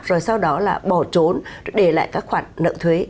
rồi sau đó là bỏ trốn để lại các khoản nợ thuế